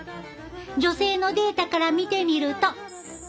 女性のデータから見てみると。